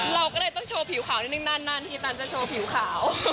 เราก็เลยต้องโชว์ผิวขาวนิดนึงนั่นที่ตันจะโชว์ผิวขาว